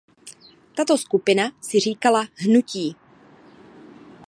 Tato skupina si říkala „Hnutí“.